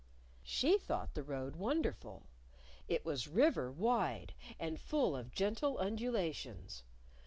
She thought the road wonderful. It was river wide, and full of gentle undulations.